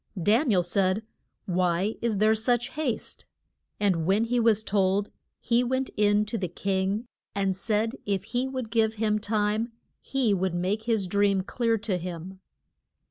Dan i el said, Why is there such haste? And when he was told he went in to the king and said if he would give him time he would make his dream clear to him.